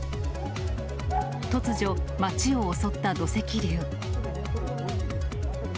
突如、街を襲った土石流。